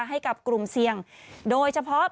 ให้กับกลุ่มเสี่ยงโดยเฉพาะ